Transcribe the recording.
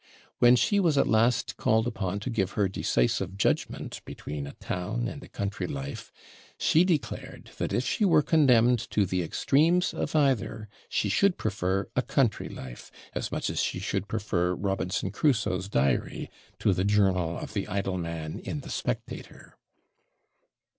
When she was at last called upon to give her decisive judgment between a town and a country life, she declared that 'if she were condemned to the extremes of either, she should prefer a country life, as much as she should prefer Robinson Crusoe's diary to the journal of the idle man in the SPECTATOR.'